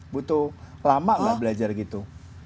butuh lama nggak belajar gitu